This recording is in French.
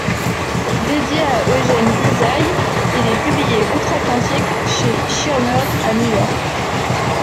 Dédié à Eugène Ysaÿe, il est publié outre-atlantique chez Schirmer à New York.